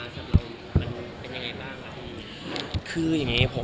มันเป็นอย่างยังไงบ้าง